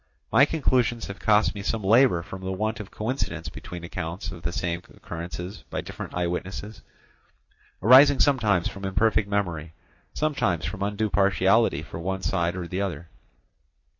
My conclusions have cost me some labour from the want of coincidence between accounts of the same occurrences by different eye witnesses, arising sometimes from imperfect memory, sometimes from undue partiality for one side or the other.